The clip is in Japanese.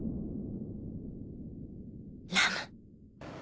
ラム。